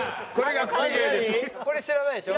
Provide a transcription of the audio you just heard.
これ知らないでしょ？